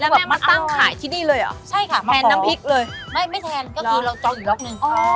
แบบมาตั้งขายที่นี่เลยเหรอใช่ค่ะแทนน้ำพริกเลยไม่ไม่แทนก็คือเราจองอีกล็อกนึง